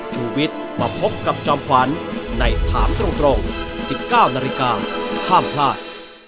ชูวิทย์มาพบกับจอมขวัญในถามตรง๑๙นาฬิกาห้ามพลาด